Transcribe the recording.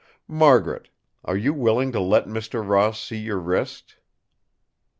Margaret! are you willing to let Mr. Ross see your wrist?"